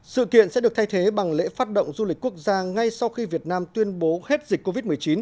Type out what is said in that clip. sự kiện sẽ được thay thế bằng lễ phát động du lịch quốc gia ngay sau khi việt nam tuyên bố hết dịch covid một mươi chín